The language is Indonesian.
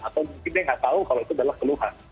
atau mungkin dia nggak tahu kalau itu adalah keluhan